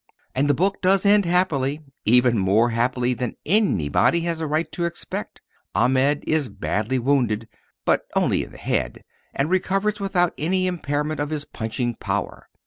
And the book does end happily, even more happily than anybody has a right to expect. Ahmed is badly wounded but only in the head, and recovers without any impairment of his punching power.